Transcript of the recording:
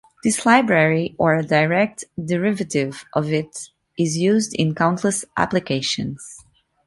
This library or a direct derivative of it is used in countless applications.